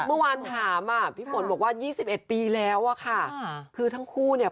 เมื่อวานถามอ่ะพี่ฝนบอกว่ายี่สิบเอ็ดปีแล้วอะค่ะคือทั้งคู่เนี่ย